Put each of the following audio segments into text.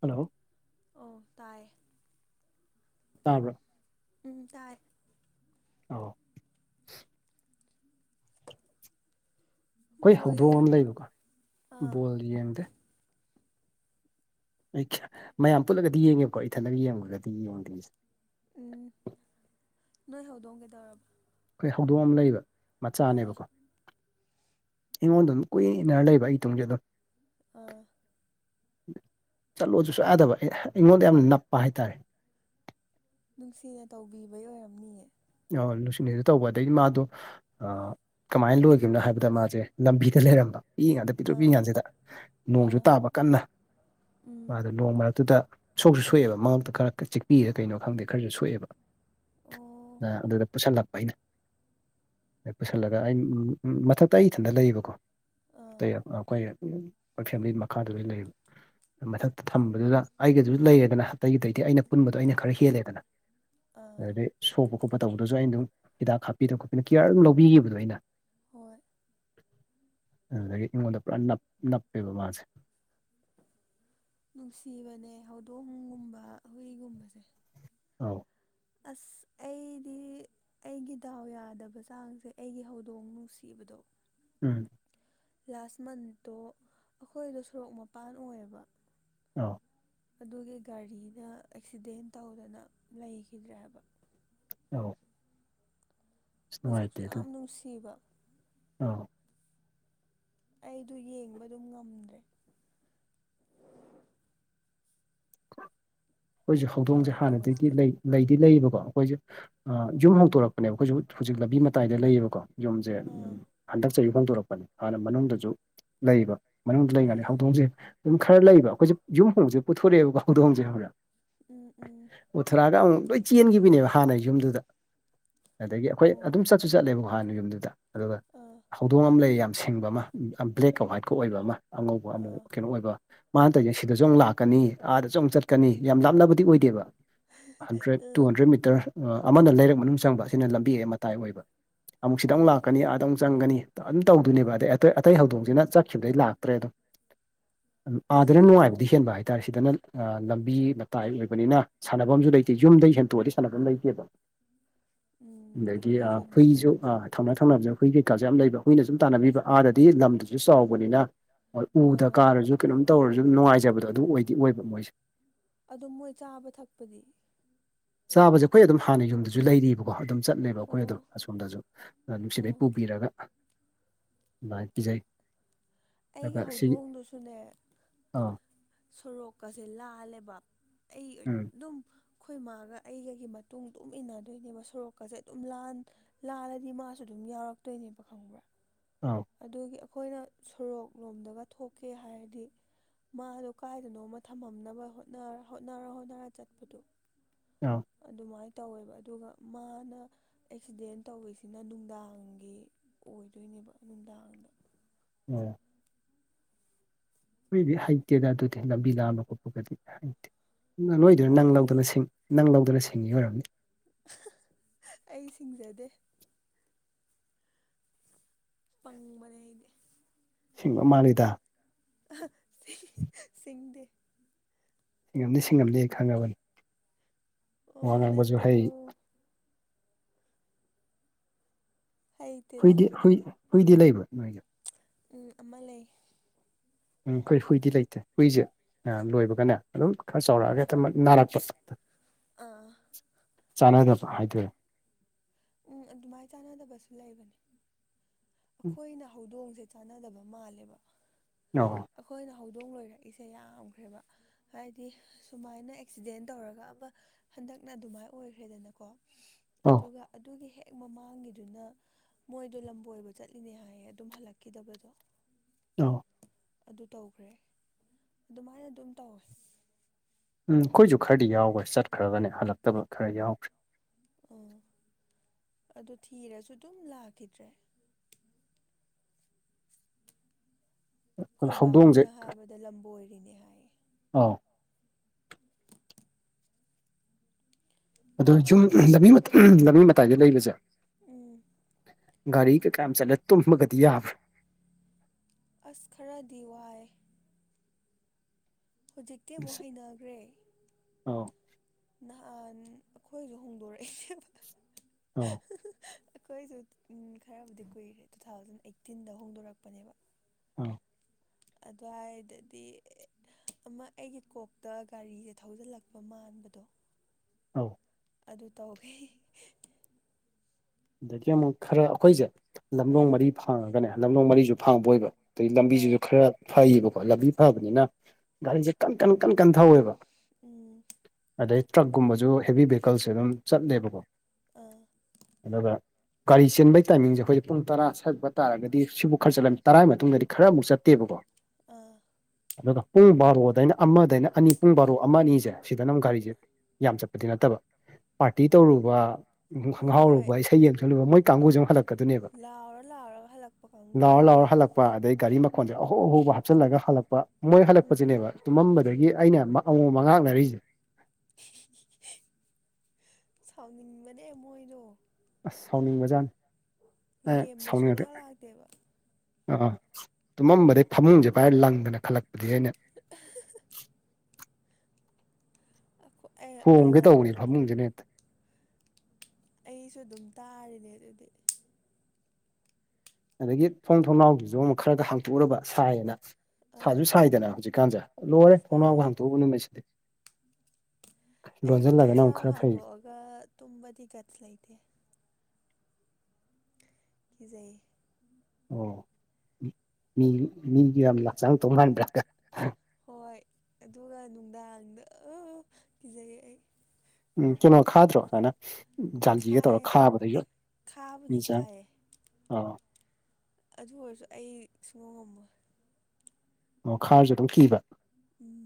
Hello ꯑꯣ ꯇꯥꯏꯦ ꯇꯥꯕ꯭ꯔꯥ ꯎꯝ ꯇꯥꯏ ꯑꯣ ꯑꯩꯈꯣꯏ ꯕꯣ ꯍꯧꯗꯣꯡ ꯑꯃ ꯌꯦꯡꯕ꯭ꯔꯣ ꯂꯩꯕꯀꯣ ꯑꯥ ꯕꯣꯜ ꯌꯦꯡꯗꯦ ꯑꯩ ꯃꯌꯥꯝ ꯄꯨꯜꯂꯒꯗꯤ ꯌꯦꯡꯉꯦꯕꯀꯣ ꯏꯊꯜꯂꯒ ꯌꯦꯡꯈꯨꯔꯒꯗꯤ ꯌꯦꯡꯗ꯭ꯔꯤꯁꯦ ꯎꯝ ꯅꯣꯏ ꯍꯧꯗꯣꯡ ꯀꯩꯗꯧꯔꯕ꯫ ꯑꯩꯈꯣꯏ ꯍꯧꯗꯣꯡ ꯑꯃ ꯂꯩꯕ ꯑꯥ ꯃꯆꯥꯅꯦꯕꯀꯣ ꯑꯩꯉꯣꯟꯗ ꯑꯗꯨꯝ ꯀꯨꯏꯏꯟ ꯏꯟꯅꯔꯥ ꯂꯩꯕ ꯑꯩ ꯏꯇꯨꯡꯁꯦ ꯑꯗꯨꯝ ꯫ ꯑꯥ ꯆꯠꯂꯣꯁꯨ ꯁ ꯌꯥꯗꯕ ꯑꯩꯉꯣꯟꯗ ꯌꯥꯝꯅ ꯅꯞꯄ ꯍꯥꯏꯇꯥꯔꯦ ꯅꯨꯡꯁꯤꯅ ꯇꯧꯕꯤꯕꯩ ꯑꯣꯏꯔꯝꯅꯤꯌꯦ꯫ ꯅꯨꯡꯁꯤꯡꯅꯤꯗ ꯇꯧꯕ ꯑꯗꯗꯒꯤ ꯃꯥꯗꯣ ꯀꯃꯥꯏꯅ ꯂꯣꯏꯈꯤꯕꯅꯣ ꯍꯥꯏꯕꯗ ꯃꯥꯁꯦ ꯂꯝꯕꯤꯗ ꯂꯩꯔꯝꯕ ꯄꯤꯛꯏ ꯀꯥꯟꯗ ꯄꯤꯛꯇ꯭ꯔꯨ ꯄꯤꯛꯏ ꯑꯥ ꯀꯥꯟꯁꯤꯗ ꯅꯣꯡꯁꯨ ꯑꯥ ꯇꯥꯕ ꯀꯟꯅ ꯎꯝ ꯃꯥꯗꯣ ꯅꯣꯡ ꯃꯔꯛꯇꯨꯗ ꯁꯣꯛꯁꯨ ꯁꯣꯛꯑꯦꯕ ꯃꯉꯛꯇ ꯈꯔ ꯆꯤꯛꯄꯤꯗ ꯀꯩꯅꯣ ꯈꯪꯗꯦ ꯈꯔꯁꯨ ꯁꯣꯛꯑꯦꯕ ꯑꯣ ꯑꯗꯨꯗ ꯄꯨꯁꯜꯂꯛꯄ ꯑꯩꯅ ꯄꯨꯁꯤꯜꯂꯒ ꯑꯩ ꯃꯊꯛꯇ ꯑꯩ ꯏꯊꯟꯇ ꯂꯩꯌꯦꯕꯀꯣ꯫ ꯑꯥ ꯑꯇꯩ ꯑꯩꯈꯣꯏ ꯑꯩꯈꯣꯏ ꯐꯦꯃꯤꯂꯤ ꯃꯈꯥꯗ ꯂꯣꯏꯟ ꯂꯩꯕ꯫ ꯃꯊꯛꯇ ꯊꯝꯕꯗꯨꯗ ꯑꯩꯒꯁꯨ ꯂꯩꯌꯦꯗꯅ ꯑꯇꯩ ꯑꯇꯩꯗꯩꯩ ꯑꯩꯅ ꯄꯨꯟꯕꯗꯣ ꯑꯩꯅ ꯈꯔ ꯍꯦꯜꯂꯦꯗꯅ꯫ ꯑꯥ ꯑꯗꯨꯗꯒꯤ ꯁꯣꯛꯄ ꯈꯣꯠꯄ ꯇꯧꯕꯗꯁꯨ ꯑꯩꯅ ꯑꯗꯨꯝ ꯍꯤꯗꯥꯛ ꯍꯥꯞꯄꯤꯗꯅ ꯈꯣꯠꯄꯤꯗ ꯀꯤꯌꯥꯔ ꯑꯗꯨꯝ ꯂꯧꯕꯤꯈꯤꯕꯗꯣ ꯑꯩꯅ꯫ ꯍꯣꯏ ꯑꯗꯨꯗꯒꯤ ꯑꯩꯉꯣꯟꯗ ꯄꯨꯔꯥꯞ ꯅꯞꯄꯦꯕ ꯃꯥꯁꯦ ꯅꯨꯡꯁꯤꯕꯅꯦ ꯍꯧꯗꯣꯡꯒꯨꯝꯕ ꯍꯨꯏꯒꯨꯝꯕꯁꯦ꯫ ꯑꯧ ꯑꯁ ꯑꯩꯗꯤ ꯑꯩꯒꯤ ꯗꯥꯎ ꯌꯥꯗꯕ ꯆꯥꯡꯁꯦ ꯑꯩꯒꯤ ꯍꯧꯗꯣꯡ ꯅꯨꯡꯁꯤꯕꯗꯣ꯫ ꯎꯝ ꯂꯥꯁ ꯃꯟꯠꯇꯣ ꯑꯩꯈꯣꯏꯗꯣ ꯁꯣꯔꯣꯛ ꯃꯄꯥꯟ ꯑꯣꯏꯌꯦꯕ ꯑꯥ ꯑꯗꯨꯒꯤ ꯒꯥꯔꯤꯅ ꯑꯦꯛꯁꯤꯗꯦꯟ ꯇꯧꯗꯅ ꯂꯩꯈꯤꯗ꯭ꯔ ꯍꯥꯏꯕ꯫ ꯑꯧ ꯑꯁ ꯃꯁꯛꯁꯨ ꯌꯥꯝ ꯅꯨꯡꯁꯤꯕ ꯑꯥ ꯑꯩꯗꯨ ꯌꯦꯡꯕꯗꯨꯝ ꯉꯝꯗ꯭ꯔꯦ ꯑꯩꯈꯣꯏꯁꯨ ꯍꯧꯗꯣꯡꯁꯦ ꯍꯥꯟꯅꯗꯒꯤ ꯅꯨꯡꯉꯥꯏꯇꯕꯁꯤꯗꯤ ꯂꯩ ꯂꯩꯗꯤ ꯂꯩꯌꯦꯕꯀꯣ ꯑꯩꯈꯣꯏꯁꯦ ꯑ ꯌꯨꯝ ꯍꯧꯗꯣꯔꯛꯄꯅꯦꯕ ꯑꯩꯈꯣꯏꯁꯨ ꯍꯧꯖꯤꯛ ꯂꯝꯕꯤ ꯃꯇꯥꯏꯗ ꯂꯩꯌꯦꯕꯀꯣ ꯌꯨꯝꯁꯦ ꯑꯥ ꯍꯟꯗꯛ ꯆꯍꯤ ꯍꯣꯡꯗꯣꯔꯛꯄꯅꯦ ꯍꯥꯟꯅ ꯃꯅꯨꯡꯗꯁꯨ ꯂꯩꯕ ꯃꯅꯨꯡꯗ ꯂꯩꯔꯤ ꯉꯩꯗꯤ ꯑꯥ ꯍꯧꯗꯣꯡꯁꯦ ꯑꯗꯨꯝ ꯈꯔ ꯂꯩꯕ ꯑꯩꯈꯣꯏꯁꯦ ꯌꯨꯝ ꯍꯣꯡꯁꯦ ꯄꯨꯊꯣꯔꯛꯑꯦꯕꯀꯣ ꯍꯧꯗꯣꯡꯁꯦ ꯈꯪꯉꯕ꯭ꯔ ꯎꯝ ꯎꯝ ꯄꯨꯊꯣꯔꯛꯑꯒ ꯑꯃꯨꯛ ꯂꯣꯏ ꯆꯦꯟꯈꯤꯕꯤꯅꯦꯕ ꯍꯥꯟꯅꯩ ꯌꯨꯝꯗꯨꯗ ꯑꯗꯒꯤ ꯑꯩꯈꯣꯏ ꯑꯗꯨꯝ ꯑꯣ ꯆꯠꯁꯨ ꯆꯠꯂꯦꯕꯀꯣ ꯍꯥꯟꯅ ꯌꯨꯝꯗꯨꯗ ꯑꯗꯨꯒ ꯑꯥ ꯍꯧꯗꯣꯡ ꯑꯃ ꯂꯩ ꯌꯥꯝꯅ ꯁꯤꯡꯕ ꯑꯃ ꯕ꯭ꯂꯦꯛꯀ ꯍ꯭ꯋꯥꯏꯠꯀ ꯑꯣꯏꯕ ꯑꯃ ꯑꯉꯧꯕ ꯑꯃ ꯑꯥ ꯀꯩꯅꯣ ꯑꯣꯏꯕ ꯃꯥꯅ ꯇꯧꯔꯤꯁꯦ ꯁꯤꯗꯁꯨ ꯑꯃꯨꯛ ꯂꯥꯛꯀꯅꯤ ꯑꯥꯗꯁꯨ ꯑꯃꯨꯛ ꯆꯠꯀꯅꯤ ꯌꯥꯝ ꯂꯥꯞꯅꯕꯕꯨꯗꯤ ꯑꯣꯏꯗꯦꯕ ꯍꯟꯗ꯭ꯔꯦꯠ ꯑ ꯇꯨ ꯍꯟꯗ꯭ꯔꯦꯠ ꯃꯤꯇꯔ ꯃꯤꯇꯔ ꯑꯃꯅ ꯂꯩꯔꯛ ꯃꯅꯨꯡ ꯆꯪꯕ ꯑꯁꯤꯅ ꯂꯝꯕꯤ ꯍꯦꯛ ꯃꯇꯥꯏ ꯑꯣꯏꯕ ꯑꯃꯨꯛ ꯁꯤꯗ ꯑꯃꯨꯛ ꯑꯣ ꯂꯥꯛꯀꯅꯤ ꯑꯗꯥ ꯑꯃꯨꯛ ꯆꯪꯒꯅꯤ ꯑꯗꯨꯝ ꯇꯧꯗꯣꯏꯅꯦꯕ ꯑꯗꯩ ꯑꯇꯩ ꯑꯇꯩ ꯍꯧꯗꯣꯡꯁꯤꯅ ꯆꯠꯈꯤꯕꯗꯒꯤ ꯂꯥꯛ ꯇ꯭ꯔꯦ ꯑꯗꯨꯝ ꯑꯥꯗꯅ ꯅꯨꯡꯉꯥꯏꯕꯗꯤ ꯍꯦꯟꯕ ꯍꯥꯏꯇꯥꯔꯦ ꯁꯤꯗꯅ ꯑ ꯂꯝꯕꯤ ꯃꯇꯥꯏ ꯑꯣꯏꯕꯅꯤꯅ ꯁꯥꯟꯅꯐꯝꯁꯨ ꯂꯩꯇꯦ ꯌꯨꯝꯗꯩ ꯍꯦꯟꯇꯣꯛꯑꯗꯤ ꯁꯥꯟꯅꯕꯝ ꯂꯩꯇꯦꯕ ꯎꯝ ꯑꯗꯒꯤ ꯑꯩꯈꯣꯏꯁꯨꯅꯦ ꯐꯨꯏꯁꯨ ꯑ ꯊꯧꯅꯥ ꯊꯧꯅꯕꯖꯦ ꯍꯨꯏ ꯀꯩꯀꯥꯁꯨ ꯌꯥꯝ ꯂꯩꯕ ꯍꯨꯏꯅ ꯁꯨꯝ ꯇꯥꯟꯅꯕꯤꯕ ꯑꯥꯗꯗꯤ ꯂꯝꯗꯨꯁꯨ ꯆꯥꯎꯕꯅꯤꯅ ꯍꯣꯏ ꯎꯗ ꯑꯥ ꯀꯥꯔꯁꯨ ꯀꯩꯅꯣꯝ ꯇꯧꯔꯁꯨ ꯑꯗꯨꯝ ꯅꯨꯡꯉꯥꯏꯖꯕꯗꯣ ꯑꯗꯨ ꯑꯣꯏꯗꯤ ꯑꯣꯏꯕ ꯃꯣꯏꯁꯦ ꯑꯗꯨ ꯃꯣꯏ ꯆꯥꯕ ꯊꯛꯄꯗꯤ ꯆꯥꯕꯁꯦ ꯑꯩꯈꯣꯏ ꯑꯗꯨꯝ ꯍꯥꯟꯅ ꯌꯨꯝꯗꯁꯨ ꯂꯩꯔꯤꯕꯀꯣ ꯑꯗꯨꯝ ꯆꯠꯂꯦꯕ ꯑꯩꯈꯣꯏ ꯑꯗꯨꯝ ꯑꯣ ꯑꯁꯣꯝꯗꯁꯨ ꯁꯤꯗꯩ ꯑꯣ ꯄꯨꯕꯤꯔꯒ ꯑꯗꯨꯃꯥꯏꯅ ꯄꯤꯖꯩ ꯑꯩꯒꯤ ꯑꯗꯨꯒ ꯁꯤ ꯍꯧꯗꯣꯡꯗꯨꯁꯨꯅꯦ ꯑꯥ ꯁꯣꯔꯣꯛꯀꯁꯦ ꯂꯥꯜꯂꯦꯕ ꯑꯩ ꯎꯝ ꯑꯗꯨꯝ ꯑꯩꯈꯣꯏ ꯃꯥꯒ ꯑꯩꯒꯒꯤ ꯃꯇꯨꯡ ꯑꯗꯨꯝ ꯏꯟꯅꯗꯣꯏꯅꯦꯕ ꯁꯣꯔꯣꯛꯀꯁꯦ ꯑꯗꯨꯝ ꯂꯥꯟ ꯂꯥꯜꯂꯗꯤ ꯃꯥꯁꯨ ꯑꯗꯨꯝ ꯌꯥꯎꯔꯛꯇꯣꯏꯅꯦꯕ ꯈꯪꯕ꯭ꯔꯥ ꯑꯥꯎ ꯑꯗꯨꯒꯤ ꯑꯩꯈꯣꯏꯅ ꯁꯣꯔꯣꯛ ꯂꯣꯝꯗꯒ ꯊꯣꯛꯀꯦ ꯍꯥꯏꯔꯗꯤ ꯃꯥꯗꯣ ꯀꯥꯏꯗꯅꯣꯃ ꯊꯝꯃꯝꯅꯕ ꯍꯣꯠꯅꯔ ꯍꯣꯠꯅꯔ ꯆꯠꯄꯗꯨ ꯑꯥ ꯑꯗꯨꯃꯥꯏꯅ ꯇꯧꯋꯦꯕ ꯑꯗꯨꯒ ꯃꯥꯅ ꯑꯦꯛꯁꯤꯗꯦꯟ ꯇꯧꯔꯤꯁꯤꯅ ꯅꯨꯡꯗꯥꯡꯒꯤ ꯑꯣꯏꯗꯣꯏꯅꯦꯕ ꯅꯨꯡꯗꯥꯡꯗ ꯎꯝ ꯑꯩꯈꯣꯏꯗꯤ ꯍꯩꯇꯦꯗ ꯑꯗꯨꯗꯤ ꯂꯝꯕꯤ ꯂꯥꯟꯕ ꯈꯣꯠꯄꯒꯗꯤ ꯍꯩꯇꯦ ꯅꯣꯏꯗꯅ ꯅꯪ ꯍꯩꯌꯦ ꯂꯧꯗꯅ ꯁꯤꯡ ꯅꯪ ꯂꯧꯗꯨꯅ ꯁꯤꯡꯉꯤ ꯑꯣꯏꯔꯝꯅꯤ [unintelligible] ꯑꯩ ꯁꯤꯡꯖꯗꯦ ꯄꯪꯕꯅꯦ ꯑꯩꯗꯤ ꯁꯤꯡꯕ ꯃꯥꯜꯂꯤꯗ ꯑ [unintelligible] ꯁꯤꯡꯗꯦ ꯌꯥꯝꯗꯤ ꯁꯤꯡꯉꯝꯅꯤ ꯑꯩ ꯈꯪꯉꯕꯅꯤ ꯋꯥ ꯑꯣ ꯉꯥꯡꯕꯁꯨ ꯍꯩ ꯅꯠꯇꯦꯀꯣ ꯍꯩꯇꯦꯗ ꯍꯨꯏꯗꯤ ꯍꯨꯏ ꯍꯨꯏꯗꯤ ꯂꯩꯕ ꯅꯣꯏꯒꯤ ꯎꯝ ꯑꯃ ꯂꯩ ꯎꯝ ꯑꯩꯈꯣꯏ ꯍꯨꯏꯗꯤ ꯂꯩꯇꯦ ꯍꯨꯏꯁꯦ ꯂꯣꯏꯕꯒꯅꯦ ꯑꯗꯨꯝ ꯈꯔ ꯆꯥꯎꯔꯛꯑꯒ ꯍꯦꯛꯇꯃꯛ ꯅꯥꯔꯛꯄ ꯑꯥ ꯆꯥꯟꯅꯗꯕ ꯍꯥꯏꯗꯣꯏꯔ ꯎꯝ ꯑꯗꯨꯃꯥꯏ ꯆꯥꯟꯅꯗꯕꯁꯨ ꯂꯩꯕꯅꯦ ꯑꯩꯈꯣꯏꯅ ꯍꯧꯗꯣꯡꯁꯦ ꯆꯥꯟꯅꯗꯕ ꯃꯥꯜꯂꯦꯕ [unintelligible] ꯑꯩꯈꯣꯏꯅ ꯍꯧꯗꯣꯡ ꯂꯣꯏꯔꯛꯏꯁꯦ ꯌꯥꯝꯈ꯭ꯔꯦꯕ ꯍꯥꯏꯗꯤ ꯁꯨꯃꯥꯏꯅ ꯑꯦꯛꯁꯤꯗꯦꯟ ꯇꯧꯔꯒ ꯑꯃ ꯍꯟꯗꯛꯅ ꯑꯗꯨꯃꯥꯏ ꯑꯣꯏꯈ꯭ꯔꯦꯗꯅꯀꯣ ꯑꯧ ꯑꯗꯨꯒ ꯑꯗꯨꯒꯤ ꯍꯦꯛ ꯃꯃꯥꯡꯒꯤꯗꯨꯅ ꯃꯣꯏꯗꯣ ꯂꯝꯕꯣꯏꯕ ꯆꯠꯂꯤꯅꯦ ꯍꯥꯏꯌꯦ ꯑꯗꯨꯝ ꯍꯜꯂꯛꯈꯤꯗꯕꯗꯣ꯫ ꯑ ꯑꯗꯨ ꯇꯧꯈ꯭ꯔꯦ ꯑꯗꯨꯃꯥꯏꯅ ꯑꯗꯨꯝ ꯇꯧꯋꯁ ꯎꯝ ꯑꯩꯈꯣꯏꯁꯨ ꯈꯔꯗꯤ ꯌꯥꯎꯒꯔꯦ ꯆꯠꯈ꯭ꯔꯒꯅꯦ ꯍꯜꯂꯛꯇꯕ ꯈꯔ ꯌꯥꯎꯈ꯭ꯔꯦ ꯑꯣꯑ ꯑꯗꯨ ꯊꯤꯔꯁꯨ ꯑꯗꯨꯝ ꯂꯥꯛꯈꯤꯗ꯭ꯔꯦ ꯑꯗꯣ ꯍꯧꯗꯣꯡꯁꯦ ꯑꯩꯕꯥꯍꯣꯏꯅ ꯍꯥꯏꯔꯕꯗ ꯂꯝꯕꯣꯏꯔꯤꯅꯦ ꯍꯥꯏꯌꯦ ꯑꯥꯎ [inaudible] ꯑꯗꯣ ꯌꯨꯝ ꯂꯝꯕꯤ ꯂꯝꯕꯤ ꯃꯇꯥꯏꯗꯥ ꯂꯩꯕꯁꯤ‌ ꯎꯝ ꯒꯥꯔꯤ ꯀ ꯀꯥ ꯋꯥꯐꯝ ꯆꯠ ꯇꯨꯝ ꯌꯥꯕꯔ ꯑꯁ ꯈꯔꯗꯤ ꯋꯥꯏ ꯍꯧꯖꯤꯛꯇꯤ ꯑꯃꯨꯛ ꯍꯩꯅꯈ꯭ꯔꯦ ꯑꯧ ꯅꯍꯥꯟ ꯑꯩꯈꯣꯏꯁꯨ ꯍꯣꯡꯗꯣꯔꯛꯏꯁꯦ ꯑ ꯑꯩꯈꯣꯏꯁꯨ ꯈꯔꯕꯨꯗꯤ ꯀꯨꯏꯔꯦ ꯇꯨ ꯊꯥꯎꯖꯟ ꯑꯩꯠꯇꯤꯟꯗ ꯍꯣꯡꯗꯣꯔꯛꯄꯅꯦꯕ ꯎ ꯑꯗꯨꯋꯥꯏꯗꯗꯤ ꯑꯃ ꯑꯩꯒꯤ ꯀꯣꯛꯇ ꯒꯥꯔꯤꯁꯦ ꯊꯧꯖꯤꯜꯂꯛꯄ ꯃꯥꯟꯕꯗꯣ ꯑꯧ ꯑꯗꯨ ꯇꯧꯍ° ꯑꯗꯒꯤ ꯑꯃꯨꯛ ꯈꯔ ꯑꯩꯈꯣꯏꯁꯦ ꯂꯝꯂꯣꯡ ꯑꯥ ꯃꯔꯤ ꯐꯥꯡꯉꯒ ꯂꯝꯂꯣꯡ ꯃꯔꯤꯁꯨ ꯐꯥꯡꯕ ꯑꯣꯏꯕ ꯑꯗꯩ ꯑꯥ ꯂꯝꯕꯤꯁꯤꯁꯨ ꯈꯔ ꯐꯩꯌꯦꯕꯀꯣ ꯂꯝꯕꯤ ꯐꯕꯅꯤꯅ ꯒꯥꯔꯤꯁꯦ ꯀꯟ ꯀꯟ ꯀꯟ ꯀꯟ ꯊꯧꯋꯦꯕ ꯎꯝ ꯑꯗꯩ ꯇ꯭ꯔꯛꯀꯨꯝꯕꯁꯨ ꯍꯦꯕꯤ ꯚꯦꯍꯤꯀꯜꯁꯦ ꯑꯗꯨꯝ ꯆꯠꯂꯦꯕꯀꯣ ꯑꯥꯑꯑ ꯑꯗꯨꯒ ꯒꯥꯔꯤ ꯆꯦꯟꯕꯩ ꯇꯥꯏꯃꯤꯡꯁꯦ ꯑꯩꯈꯣꯏꯒꯤ ꯄꯨꯡ ꯇꯔꯥ ꯁꯨꯋꯥꯏꯐꯥꯎꯒ ꯇꯥꯔꯒꯗꯤ ꯁꯤꯕꯧ ꯑꯥ ꯑꯥꯥ ꯑꯗꯨꯒ ꯄꯨꯡ ꯕꯥꯔꯣꯗꯩꯅ ꯑꯃꯗꯩꯅ ꯑꯅꯤ ꯄꯨꯡ ꯕꯥꯔꯣ ꯑꯃ ꯑꯅꯤꯁꯦ ꯁꯤꯗꯅ ꯑꯃ ꯒꯥꯔꯤꯁꯦ ꯌꯥꯝ ꯆꯠꯄꯗꯤ ꯅꯠꯇꯕ ꯄꯥꯔꯇꯤ ꯇꯧꯔꯨꯕ ꯑꯥꯎ ꯍꯣꯏ ꯉꯥꯎꯔꯨꯕ ꯏꯁꯩ ꯌꯦꯡ ꯁꯂꯨꯕ ꯃꯣꯏ ꯀꯥꯡꯒꯕꯨꯁꯨ ꯑꯃꯨꯛ ꯍꯜꯂꯛꯄ ꯂꯥꯎꯔꯥ ꯂꯥꯎꯔꯥꯒ ꯍꯜꯂꯛꯄꯥ ꯀꯥꯡꯒꯨꯗꯣ ꯄ ꯑꯗꯗꯒꯤ ꯒꯥꯔꯤ ꯃꯈꯣꯟꯜꯁꯦ ꯑꯍꯧ ꯑꯍꯣꯡꯧꯕ ꯍꯥꯞꯆꯤꯜꯂꯒ ꯍꯜꯂꯛꯄ ꯃꯣꯏ ꯎꯝ ꯍꯜꯂꯛꯄꯁꯤꯅꯦꯕ ꯇꯨꯝꯃꯝꯕꯗꯒꯤ ꯑꯩꯅ ꯑꯃꯣ ꯃ ꯉꯥꯛꯅꯔꯤꯁꯦ ꯁꯥꯎꯅꯤꯡꯕꯅꯤ ꯃꯣꯏꯗꯣ ꯑꯁ ꯁꯥꯎꯅꯤꯡꯕꯖꯥꯅꯤ ꯑꯦꯅ ꯂꯦꯝꯅ ꯁꯥꯎꯅꯤꯡꯗ ꯁꯨꯡꯂꯥꯛ ꯂꯥꯛꯇꯦꯕ ꯑꯥ ꯇꯨꯝꯃꯝꯕꯗꯒꯤ ꯐꯃꯨꯡꯁꯦ ꯄꯥꯏꯔ ꯂꯪꯗꯅ ꯈꯜꯂꯛꯄꯗꯤ ꯑꯩꯅꯥ ꯎꯍꯥ ꯑꯈꯣ ꯑ ꯍꯣꯡꯒꯦ ꯇꯧꯕꯅꯤ ꯐꯃꯨꯡꯁꯅꯦ ꯑꯩꯁꯨ ꯑꯗꯨꯝ ꯇꯥꯔꯤꯅꯦ ꯑꯗꯨꯗꯤ ꯑꯗꯒꯤ ꯊꯣꯡ ꯊꯣꯡꯅꯥꯎꯗꯨꯁꯨ ꯑꯃꯨꯛ ꯈꯔ ꯍꯥꯡꯇꯣꯛꯎꯔꯕꯥ ꯁꯥꯏꯌꯦꯅꯥ ꯑꯥ ꯁꯥꯁꯨ ꯁꯥꯏꯗꯅ ꯍꯧꯖꯤꯛꯀꯥꯟꯁꯦ ꯂꯣꯏꯔꯦ ꯊꯣꯡꯅꯥꯎꯒ ꯁꯥꯏ ꯍꯥꯡꯇꯣꯛꯎꯗꯕ ꯅꯨꯃꯤꯠꯁꯤꯗꯤ ꯑꯩ ꯂꯣꯟꯁꯤꯜꯂꯒꯅ ꯑꯃꯨꯛ ꯊꯨꯝꯅꯥꯎ ꯈꯔ ꯐꯩ ꯍꯥꯡꯗꯣꯛꯑꯒ ꯇꯨꯝꯕꯗꯤ ꯒꯠꯁ ꯂꯩꯇꯦ ꯀꯤꯖꯩ ꯌꯦ ꯑꯣ ꯃꯤ ꯃꯤꯗꯤꯌꯥꯝꯂꯟꯕꯔꯥ ꯆꯡꯉꯛꯇꯧ ꯃꯥꯟ [inaudible] ꯍꯣꯏ ꯑꯗꯨꯒ ꯅꯨꯡꯗꯥꯡꯗ ꯀꯤꯖꯩ ꯑꯩ꯫ ꯎꯝ ꯀꯩꯅꯣ ꯈꯥꯗ꯭ꯔꯣ ꯁꯨꯃꯥꯏꯅ ꯖꯥꯂꯤꯒ ꯇꯧꯔ ꯈꯥꯏꯌꯦ ꯈꯥꯕꯗꯣ꯫ ꯈꯥꯕꯨꯗꯤ [unintelligible] ꯈꯥꯏꯌꯦ ꯑꯣ꯫ ꯑꯗꯨ ꯑꯣꯏꯔꯁꯨ ꯑꯩ ꯁꯨꯡꯉꯝ ꯉꯝꯃꯣꯏ꯫ ꯑꯣ ꯈꯔꯁꯨ ꯑꯗꯨꯝ ꯀꯤꯕ꯫ ꯎꯝ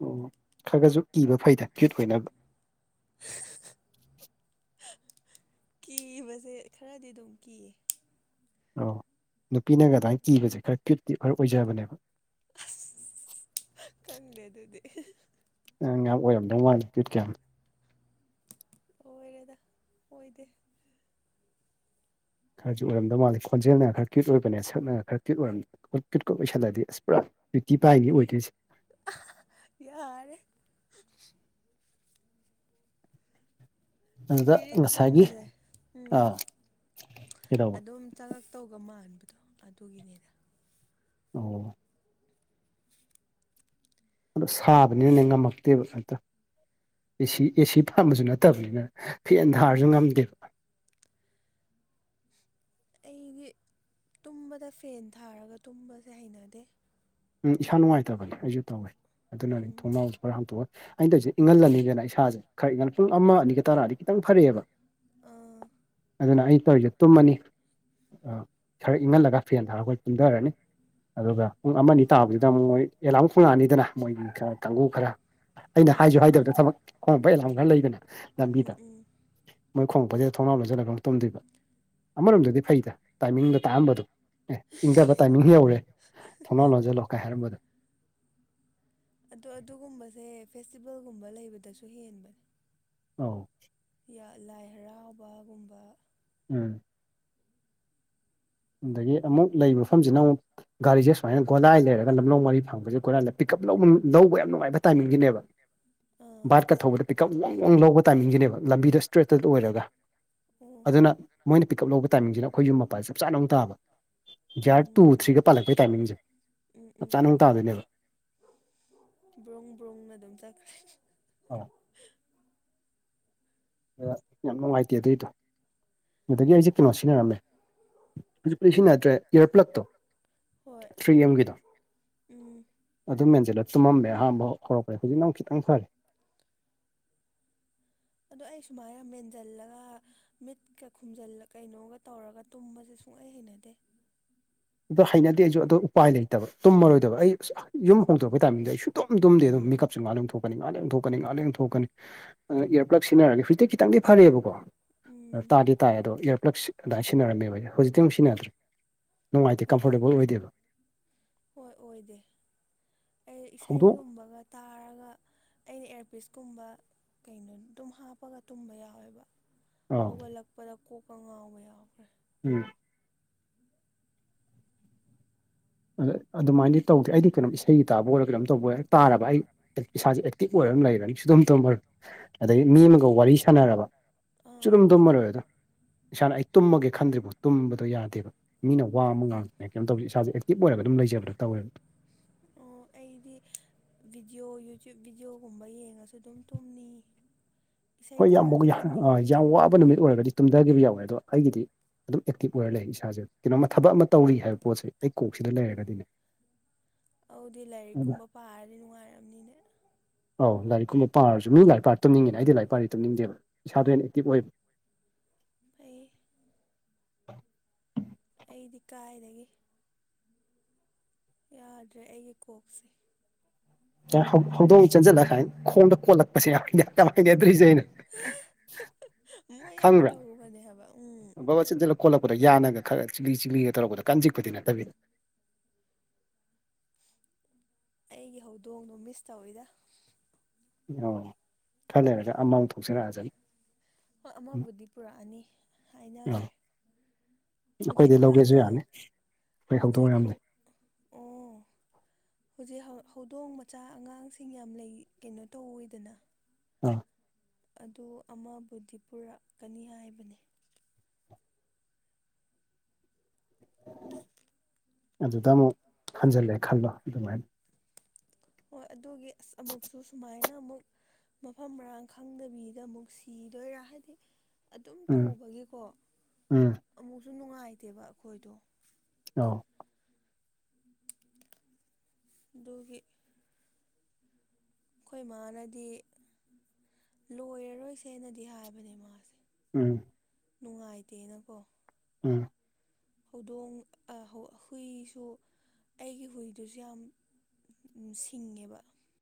ꯑꯣ ꯈꯔ ꯈꯔꯁꯨ ꯀꯤꯕ ꯐꯩꯗ ꯀꯤꯌꯨꯠ ꯑꯣꯏꯅꯕ꯫ ꯀꯤꯕꯁꯦ ꯈꯔꯗꯤ ꯑꯗꯨꯝ ꯀꯤꯌꯦ꯫ ꯑꯣ ꯅꯨꯄꯤꯅꯒ ꯑꯗꯨꯃꯥꯏ ꯀꯤꯕꯁꯦ ꯈꯔ ꯀ꯭ꯌꯨꯠꯇꯤ ꯈꯔ ꯑꯣꯏꯖꯕꯅꯦꯕ꯫ ꯈꯪꯗ‌ꯦ ꯑꯗꯨꯗꯤ꯫ ꯅꯪ ꯌꯥꯝ ꯑꯣꯏꯔꯝꯗꯧ ꯃꯥꯟꯂꯤ ꯀ꯭ꯌꯨꯠꯀ ꯌꯥꯝ꯫ ꯑꫭꯏꯔ°ꯗꯥ ꯑꯣꯏꯗ°꯫ ꯈꯔꯁꯨ ꯑꯣꯏꯔꯝꯗꯧ ꯃꯥꯜꯂꯤ ꯈꯣꯟꯖꯦꯜꯅ ꯈꯔ꯭ꯒ ꯀꯌꯨꯠ ꯑꯣꯏꯕꯅꯦ ꯁꯛꯅ ꯈꯔ ꯀ꯭ꯌꯨꯠ ꯑꯣꯏꯔꯝ ꯑꯃꯨꯛ ꯀꯤꯌꯨꯠꯀꯥ ꯑꯣꯏꯁꯜꯂꯗꯤ ꯑꯁ ꯄꯨꯔꯥ ꯀꯤꯌꯨꯠꯇꯤ ꯄꯥꯏꯅꯤ ꯑꯣꯏꯗꯣꯏꯁꯤ꯫ ꯌꯥꯔꯦ꯫ ꯑꯗꯨꯗ ꯉꯁꯥꯏꯒꯤ ꯏꯁꯄꯤꯔꯤꯠꯀꯨꯝꯕꯁꯦ ꯎꯝ ꯑꯥ ꯀꯩꯗꯧꯕ ꯑꯗꯨꯝ ꯆꯪꯉꯥꯛ ꯇꯧꯒ ꯃꯥꯟꯕꯗꯣ ꯑꯗꯨꯒꯤꯅꯤꯗ꯫ ꯑꯣ꯫ ꯑꯗꯣ ꯁꯥꯕꯅꯤꯅꯥ ꯉꯝꯃꯛꯇꯦꯕ ꯍꯦꯛꯇꯥ ꯑꯦꯁꯤ ꯑꯦꯁꯤ ꯊꯝꯕꯁꯨ ꯅꯠꯇꯕꯅꯤꯅ꯫ ꯐꯦꯟ ꯊꯥꯔꯁꯨ ꯎꯝ ꯉꯝꯗꯦ꯫ ꯑꯩꯗꯤ ꯇꯨꯝꯕꯗ ꯐꯦꯟ ꯊꯥꯔꯒ ꯇꯨꯝꯕꯁꯦ ꯍꯩꯅꯗꯦ꯫ ꯎꯝ ꯏꯁꯥ ꯅꯨꯡꯉꯥꯏꯇꯕꯅꯤ ꯑꯩꯁꯨ ꯇꯧꯋꯦ꯫ ꯑꯗꯨꯅ ꯎꯝ ꯊꯣꯡꯅꯥꯎꯁꯤ ꯈꯔ ꯍꯥꯡꯇꯣꯛꯑ ꯑꯩꯅ ꯇꯧꯔꯤꯁ ꯏꯪꯜꯂꯟꯅꯤꯗꯅ ꯏꯁꯥꯁꯦ ꯈꯔ ꯏꯪꯜꯂꯒ ꯄꯨꯡ ꯑꯃ ꯑꯅꯤꯒ ꯇꯔꯥꯛꯑꯗꯤ ꯈꯤꯇꯪ ꯐꯔꯛꯑꯦꯕ ꯑꯥ ꯑꯗꯨꯅ ꯑꯩ ꯇꯧꯔꯤ ꯇꯨꯝꯃꯅꯤ꯫ ꯈꯔ ꯏꯪꯍꯜꯂꯒ ꯐꯦꯟ ꯊꯥꯔ ꯑꯩꯈꯣꯏ ꯇꯨꯝꯊꯔꯅꯤ ꯑꯗꯨꯒ ꯄꯨꯡ ꯑꯃꯅꯤ ꯇꯥꯕꯗꯨꯗ ꯑꯃꯨꯛ ꯃꯣꯏ ꯑꯦꯂꯥꯝ ꯈꯣꯡꯉꯛꯑꯅꯤꯗꯅ ꯃꯣꯏꯒꯤ ꯈꯔ ꯀꯥꯡꯕꯨꯨ ꯈꯔ ꯑꯩꯅ ꯑꯥ ꯍꯥꯏꯁꯨ ꯍꯣꯏ ꯍꯥꯏꯗꯕꯗ ꯍꯣꯏ ꯊꯕꯛ ꯈꯣꯡꯉꯞꯄ ꯑꯦꯂꯥꯡ ꯈꯔ ꯂꯩꯕꯅꯤ ꯎꯝ ꯂꯝꯕꯤꯗ ꯎꯝ ꯃꯣꯏ ꯈꯣꯡꯉꯛꯄꯁꯦ ꯊꯣꯡꯅꯥꯎ ꯂꯣꯟꯁꯤꯜꯂꯒ ꯑꯃꯨꯛ ꯇꯨꯝꯗꯣꯏꯕ꯫ ꯑꯃꯔꯣꯝꯗꯗꯤ ꯐꯩꯗ ꯇꯥꯏꯃꯤꯡꯒꯥ ꯇꯥꯛ ꯑꯝꯕꯗꯣ ꯑꯦ ꯏꯪꯗꯕ ꯇꯥꯏꯃꯤꯡ ꯌꯧꯔꯦ꯫ ꯊꯣꯡꯅꯥꯎ ꯂꯣꯟꯁꯤꯜꯂꯣ ꯀꯥꯏ ꯍꯥꯏꯔꯝꯕꯗꯣ꯫ ꯑꯗꯣ ꯑꯗꯨꯒꯨꯝꯕꯁꯦ ꯐꯦꯁꯇꯤꯚꯦꯜꯒꯨꯝꯕ ꯂꯩꯕꯗꯁꯨ ꯍꯦꯟꯕꯟ꯫ ꯑꯧ꯫ ꯌꯥ ꯂꯥꯏ ꯍꯔꯥꯎꯕꯒꯨꯝꯕ꯫ ꯎꯝ꯫ ꯑꯗꯒꯤ ꯑꯃꯨꯛ ꯂꯩꯕ ꯃꯐꯝꯁꯤꯅ ꯑꯃꯨꯛ ꯒꯥꯔꯤꯁꯦ ꯁꯨꯃꯥꯏꯅ ꯒꯣꯂꯥꯏ ꯂꯩꯔꯒ ꯂꯝꯂꯣꯡ ꯃꯔꯤ ꯐꯪꯕꯁꯦ ꯒꫭꯂꯥꯏ ꯄꯤꯀꯥꯞ ꯂꯧ ꯂꯧꯕ ꯌꯥꯝꯅ ꯅꯨꯡꯉꯥꯏꯕ ꯇꯥꯏꯃꯤꯡꯁꯤꯅꯦꯕ꯫ ꯑꯥ ꯑꯣ ꯕꯥꯔꯠꯀꯥ ꯊꯧꯕꯗ ꯄꯤꯛꯀꯞ ꯋꯥꯡ ꯋꯥꯡ ꯂꯧꯕ ꯇꯥꯏꯃꯤꯡꯁꯤꯅꯦꯕ ꯂꯝꯕꯤꯗ ꯏꯁꯇ꯭ꯔꯦꯠꯀꯥ ꯂꯣꯏꯔꯒ꯫ ꯑꯗꯨꯅ ꯃꯣꯏꯅ ꯄꯤꯛ ꯀꯞ ꯂꯧꯕ ꯇꯥꯏꯃꯤꯡꯁꯤꯅ ꯑꯩꯈꯣꯏꯒꯤ ꯌꯨꯝ ꯃꯄꯥ ꯆꯞ ꯆꯥ ꯑꯃꯨꯛ ꯇꯥꯕꯥ꯫ ꯒꯌꯥꯔ ꯇꯨ ꯎꯝ ꯊ꯭ꯔꯤꯒꯥ ꯄꯥꯜꯂꯛꯄꯒꯤ ꯇꯥꯏꯃꯤꯡꯁꯦ ꯆꯞ ꯆꯥꯅ ꯑꯃꯨꯛ ꯇꯥꯗꯣꯏꯅꯦꯕꯥ꯫ ꯕ꯭ꯔꫭꯡ ꯕ꯭ꯔꫭꯡꯅ ꯑꯗꯨꯝ ꯆꯠꯈ꯭ꯔꯦ꯫ ꯑꯧ꯫ ꯑꯥꯗꯨꯅ ꯌꯥꯝ ꯅꯨꯡꯉꯥꯏꯇꯦ ꯑꯗꯨꯏꯗꯣ꯫ ꯑꯗꯒꯤ ꯑꯩꯁꯦ ꯀꯩꯅꯣ ꯁꯤꯖꯤꯟꯅꯔꯝꯃꯦ ꯍꯧꯖꯤꯛꯄꯨꯂꯤ ꯁꯤꯖꯤꯟꯅꯗ꯭ꯔꯦ ꯏꯌꯔꯄ꯭ꯂꯛꯇꯣ꯫ ꯍꯣꯏ ꯊ꯭ꯔꯤ ꯑꯦꯝꯒꯤꯗꯣ꯫ ꯎꯝ꯫ ꯑꯗꯨꯝ ꯃꯦꯟꯖꯜꯂ ꯇꯨꯝꯃꯝꯃꯦ ꯑꯍꯥꯟꯕ ꯍꯧꯔꯛꯄꯗ ꯍꯧꯖꯤꯛ ꯑꯃꯨꯛ ꯈꯤꯇꯪ ꯐꯔꯦ꯫ ꯑꯗꯣ ꯑꯩ ꯁꯨꯃꯥꯏꯅ ꯃꯦꯟꯖꯤꯜꯂꯒ ꯃꯤꯠꯀꯥ ꯈꯨꯝꯖꯤꯜꯂ ꯀꯩꯅꯣꯒꯥ ꯇꯧꯔꯒ ꯇꯨꯝꯕꯁꯦ ꯁꯨꯡꯍꯩ ꯍꯩꯅꯗꯦ꯫ ꯑꯗꯣ ꯍꯩꯅꯗꯦ ꯑꯩꯁꯨ ꯑꯗꯨ ꯎꯄꯥꯏ ꯂꯩꯇꯕ ꯇꯨꯝꯃꯔꯣꯏꯗꯕ ꯑꯩ ꯌꯨꯝ ꯍꯣꯡꯗꯣꯛꯔꯄꯩ ꯇꯥꯏꯃꯤꯡꯗ ꯑꯩ ꯁꯨꯡꯇꯨꯝ ꯇꯨꯝꯗꯦ ꯑꯗꯨꯝ ꯃꯤꯀꯞꯁꯨ ꯉꯥ ꯂꯩ ꯊꯣꯛꯀꯅꯤ ꯉꯥ ꯂꯩ ꯊꯣꯛꯀꯅꯤ ꯉꯍꯥꯛ ꯂꯩ ꯑꯃꯨꯛ ꯊꯣꯛꯀꯅꯤ꯫ ꯏꯌꯥꯔ ꯄ꯭ꯂꯒ ꯁꯤꯖꯤꯟꯅꯔꯅꯤ ꯍꯧꯖꯤꯛꯇꯤ ꯈꯤꯇꯪꯗꯤ ꯐꯔꯦꯕꯀꯣ꯫ ꯎꯝ ꯇꯥꯗꯤ ꯇꯥꯏꯌꯦ ꯑꯗꯣ ꯏꯌꯥꯔꯄ꯭ꯂꯛꯁ ꯑꯗꯨꯃꯅ ꯁꯤꯟꯅꯝꯃꯦꯕꯖꯤꯦ ꯍꯧꯖꯤꯛꯇꯤꯨ ꯁꯤꯟꯅꯗ꯭ꯔꯦ ꯅꯨꯡꯉꯥꯏꯇꯦ ꯎꯝ ꯀꯝꯐꯣꯔꯇꯦꯕꯜ ꯑꯣꯏꯗꯦꯕꯥ꯫ ꯍꯣꯏ ꯑꯣꯏꯗꯦ ꯑꯩ ꯍꯧꯗꯣꯛ ꯏꯁꯩꯒꯨꯝꯕꯒꯥ ꯇꯥꯔꯒꯥ꯫ ꯑꯩꯅ ꯏꯌꯥꯔꯄꯤꯤꯁꯀꯨꯝꯕ ꯀꯩꯅꯣ ꯑꯗꯨꯝ ꯍꯥꯞꯄꯒ ꯇꯨꯝꯕ ꯌꯥꯎꯋꯦꯕ ꯑꯥ ꯍꯧꯒꯠꯂꯛꯄꯗ ꯀꯣꯛꯀꯥ ꯉꯥꯎꯕ ꯌꯥꯎꯈ꯭ꯔꯦ꯫ ꯎꯝ ꯑꯗ ꯑꯗꯨꯃꯥꯏꯅꯗꯤ ꯇꯧꯗꯦ ꯑꯩꯗꯤ ꯀꯩꯅꯣꯝ ꯏꯁꯩꯒꯤ ꯇꯥꯕ ꯑꯣꯏꯔ ꯀꯩꯅꯣꯝ ꯇꯧꯕ ꯇꯥꯔꯕ ꯑꯩ ꯏꯁꯥꯁꯦ ꯑꯦꯛꯇꯤꯚ ꯑꯣꯏꯔꯒ ꯂꯩꯔꯅꯤ ꯁꯨꯗꯝ ꯇꯣꯝꯃꯥꯔꫭꯏ ꯑꯗꯒꯤ ꯃꯤ ꯑꯃꯒꯥ ꯋꯥꯔꯤ ꯁꯥꯟꯅꯔꯕ ꯑꯥ ꯆꯂꯝ ꯇꯝꯃꯔꯣꯏꯗ ꯏꯁꯥꯅ ꯑꯩ ꯇꯨꯝꯃꯒꯦ ꯈꯟꯗ꯭ꯔꯤꯕꯣ ꯇꯨꯝꯕꯗꯣ ꯌꯥꯗꯦꯕ ꯃꯤꯅ ꯋꯥ ꯑꯃ ꯉꯥꯡꯗꯅ ꯀꯩꯅꯣ ꯇꯧꯁꯦ ꯏꯁꯥꯁꯦ ꯇꯤꯞ ꯑꯣꯏꯔꯒ ꯑꯗꯨꯝ ꯂꯩꯖꯕꯗ ꯇꯧꯋꯦ ꯑꯣ ꯑꯩꯗꯤ ꯚꯤꯗꯤꯑꯣ ꯌꯨꯇ꯭ꯨꯕ ꯚꯤꯗꯤꯑꯣꯒꯨꯝꯕ ꯌꯦꯡꯉꯁꯨ ꯑꯗꯨꯝ ꯇꯨꯝꯅꯤ ꯏꯁꯩ ꯍꯣꯏ ꯌꯥꯝ ꯇꯥꯔꯁꯨ ꯇꯨꯝꯅꯤꯡꯉꯗꯤ ꯌꯥꯝ ꯑꯗꯨꯝ ꯋꯥꯕ ꯇꯨꯝꯅꯤ ꯅꯨꯃꯤꯠ ꯑꯣꯏꯔꯒꯗꯤ ꯇꯨꯝꯊꯈꯤꯕ ꯌꯥꯎꯋꯦ ꯑꯗꯣ ꯑꯩꯒꯤꯗꯤ ꯑꯗꯨꯝ ꯑꯦꯛꯇꯤꯞ ꯑꯣꯏꯔ ꯂꯩ ꯏꯁꯥꯁꯦ ꯀꯩꯅꯣꯃ ꯊꯕꯛ ꯑꯃ ꯇꯧꯔꯤ ꯍꯥꯏꯕ ꯄꯣꯠꯁꯦ ꯑꯩ ꯀꯣꯛꯁꯤꯗ ꯂꯩꯔꯒꯗꯤꯅꯦ ꯑꯗꯨꯗꯤ ꯂꯥꯏꯔꯤꯛ ꯀꯨꯝꯕ ꯄꯥꯔꯗꯤ ꯅꯨꯡꯉꯥꯏꯔꯕꯅꯤꯅꯦ ꯑ ꯂꯥꯏꯔꯤꯛ ꯀꯨꯝꯕ ꯄꯥꯔꯁꯨ ꯃꯤ ꯂꯥꯏꯔꯤꯛ ꯄꯥꯔ ꯇꯅꯤꯡꯉꯦꯅ ꯑꯩꯗꯤ ꯂꯥꯏꯔꯤꯛ ꯄꯥꯔꯗꯤ ꯇꯅꯤꯡꯗꯦꯕ ꯏꯁꯥꯗꯣ ꯍꯦ ꯑꯦꯛꯇꯤꯞ ꯑꯣꯏꯕ ꯑꯩꯩ ꯑꯩꯗꯤ ꯀꯥꯏꯗꯒꯤ ꯌꯥꯗ꯭ꯔꯦ ꯑꯩꯒꯤ ꯀꯣꯛꯁꯦ ꯍꯧꯗꯣꯡ ꯆꯟꯁꯤꯜꯂ ꯍꯥꯏꯅ ꯈꯣꯡꯗ ꯀꯣꯜꯂꯛꯄꯁꯦ ꯌꯥꯝ ꯍꯩꯅꯗꯔꯤꯁ‌ꯦ ꯑꯩꯅ ꯃꯣꯏ ꯌꯥꯝ ꯈꯪꯕ꯭ꯔꯥ ꯇꯧꯕꯅꯦ ꯍꯥꯏꯕ ꯎꯝ ꯕꯕꯥ ꯆꯤꯟꯁꯤꯜꯂ ꯈꯣꯠꯂꯛꯄꯗꯣ ꯌꯥꯅꯒ ꯈꯔ ꯆꯤꯛꯂꯤ ꯆꯛꯒ ꯇꯧꯛꯄꯗ ꯀꯥꯟ ꯆꯤꯛꯄꯗꯤ ꯅꯠꯇꯕꯤꯗ ꯑꯩꯒꯤ ꯍꯧꯗꯣꯡꯗꯣ ꯃꯤꯁ ꯇꯧꯋꯤꯗ ꯑꯣ ꯈꯔꯂꯩꯔꯒ ꯑꯃꯥꯎ ꯊꯣꯛꯆꯔꯛꯁ ꯅꯤ ꯍꯣꯏ ꯑꯃꯕꯨꯗꯤ ꯄꯨꯔꯛꯑꯅꯤ ꯍꯥꯏꯅꯈ꯭ꯔꯦ ꯑꯥ ꯍꯧꯖꯤꯛ ꯑꯩꯈꯣꯏꯗꯩ ꯑꯉꯥꯡ ꯂꯧꯒꯦꯁꯨ ꯌꯥꯅꯤ ꯑꯩꯈꯣꯏ ꯍꯧꯗꯣꯡ ꯍꯧꯖꯤꯛ ꯌꯥꯝ ꯍꯧ ꯂꯩ ꯑꯣ ꯍꯧꯖꯤꯛ ꯍꯧꯗꯣꯡ ꯃꯆꯥ ꯑꯉꯥꯡꯁꯤꯡ ꯌꯥꯝ ꯂꯩ ꯀꯩꯅꯣ ꯇꯧꯋꯏꯗꯅ ꯑꯥ ꯑꯗꯣ ꯑꯃꯕꯨꯗꯤ ꯄꯨꯔꯛꯀꯅꯤ ꯍꯥꯏꯕꯅꯦ [inaudible] ꯑꯗꯨꯗ ꯑꯃꯨꯛ ꯍꯟꯖꯜꯂꯦ ꯈꯜꯂꯣ ꯑꯗꯨꯃꯥꯏꯅ ꯍꯣꯏ ꯑꯗꯨꯒꯤ ꯑꯁ ꯑꯃꯨꯛꯁꯨ ꯁꯨꯃꯥꯏꯅ ꯑꯃꯨꯛ ꯃꯐꯝ ꯃꯔꯥꯡ ꯈꯪꯗꯕꯤꯗ ꯑꯃꯨꯛ ꯁꯤꯗꯣꯏꯔꯥ ꯍꯥꯏꯗꯤ ꯑꯗꯨꯝ ꯎꯝ ꯇꯧꯕꯒꯤꯀꯣ ꯎꯝ ꯑꯃꯨꯛꯁꯨ ꯅꯨꯡꯉꯥꯏꯇꯦꯕ ꯑꯩꯈꯣꯏꯗꯣ ꯑꯥꯎ ꯗꯒꯤꯒꯤ ꯑꯩꯈꯣꯏ ꯃꯥꯅꯗꯤ ꯂꯣꯏꯔꯔꯣꯏꯁꯦꯅꯗꯤ ꯍꯥꯏꯕꯅꯦ ꯃꯥꯁꯦ ꯎꯝ ꯅꯨꯡꯉꯥꯏꯇꯦꯅꯀꯣ ꯎꯝ ꯍꯧꯗꯣꯡ ꯍꯨꯏꯁꯨ ꯑꯩꯒꯤ ꯍꯨꯏꯗꯨꯁꯨ ꯌꯥꯝ ꯎ ꯁꯤꯡꯉꯦꯕ